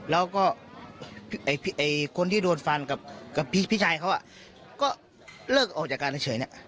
แล้วก็คนที่โดนฟันกับพี่ชายเขาก็เลิกออกจากการเฉยเนี่ย